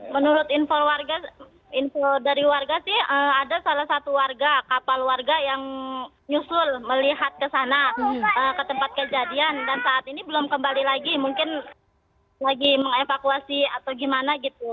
menurut info dari warga sih ada salah satu warga kapal warga yang nyusul melihat ke sana ke tempat kejadian dan saat ini belum kembali lagi mungkin lagi mengevakuasi atau gimana gitu